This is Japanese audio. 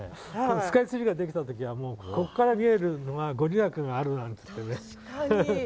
スカイツリーができた時はここから見えるのがご利益があるなんていってね。